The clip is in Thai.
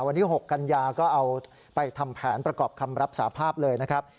วันที่๖กันยาก็เอาไปทำแผนประกอบคำรับสาภาพเลยนะครับ